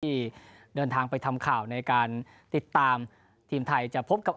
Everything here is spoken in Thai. ที่เดินทางไปทำข่าวในการติดตามทีมไทยจะพบกับ